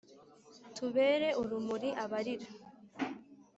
tubere urumuri abarira